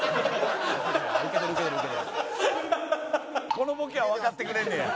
このボケはわかってくれんねや。